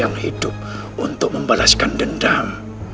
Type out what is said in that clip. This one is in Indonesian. jika kalian terus menyengah